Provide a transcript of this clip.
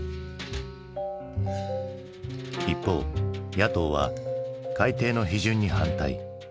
一方野党は改定の批准に反対。